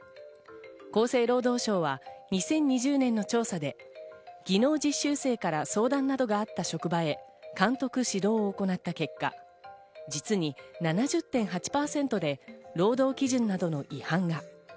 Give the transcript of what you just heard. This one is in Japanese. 厚生労働省は２０２０年の調査で、技能実習生から相談などがあった職場へ監督指導を行った結果、実に７０．８パーセントで労働基準などの違反が。